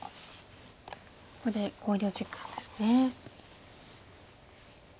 ここで考慮時間ですね。